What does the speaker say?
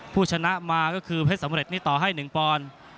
ผู้ชนะมาก็คือเพชรสำเร็จนี่ต่อให้๑ปอนด์